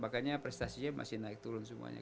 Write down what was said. makanya prestasinya masih naik turun semuanya